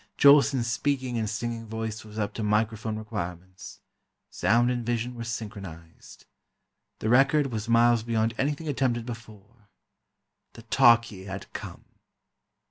Jolson's speaking and singing voice was up to microphone requirements—sound and vision were synchronized. The record was miles beyond anything attempted before. The "Talkie" had come!